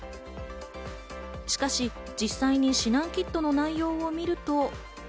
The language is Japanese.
しかし、実際に指南キットの内容を見ると。